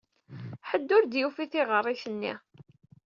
Ḥedd ur d-yufi tiɣerrit-nni.